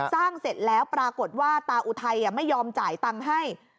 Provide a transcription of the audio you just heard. เสร็จแล้วปรากฏว่าตาอุทัยไม่ยอมจ่ายตังค์ให้